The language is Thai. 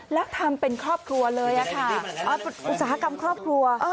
แล้วทำเป็นครอบครัวเลยค่ะอุตสาหกรรมครอบครัว